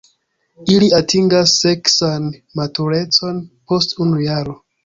Ili atingas seksan maturecon post unu jaro.